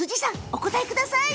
お答えください。